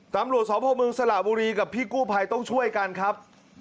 กระเบิ้ลพวกมึงกับพี่กู้ภัยต้องช่วยกันครับ